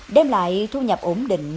đem lại thu nhập ổn định